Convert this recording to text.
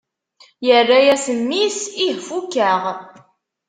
Yerra-as mmi-s: Ih fukeɣ!